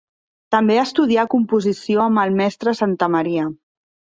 També estudià composició amb el mestre Santamaria.